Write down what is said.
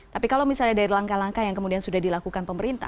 tapi kalau misalnya dari langkah langkah yang kemudian sudah dilakukan pemerintah